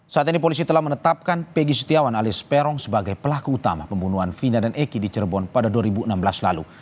saat ini polisi telah menetapkan peggy setiawan alias peron sebagai pelaku utama pembunuhan vina dan eki di cirebon pada dua ribu enam belas lalu